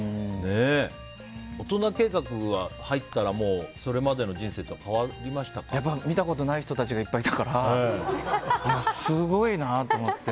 大人計画に入ったらそれまでの人生とは見たことない人たちがいっぱいいたからすごいなと思って。